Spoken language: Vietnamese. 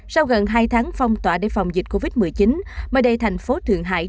sau gần hai tháng phong tỏa để phòng dịch covid một mươi chín mới đây thành phố thượng hải